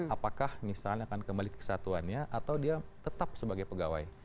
apakah misalnya akan kembali kesatuannya atau dia tetap sebagai pegawai